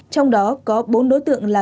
trong đó có bốn đối tượng là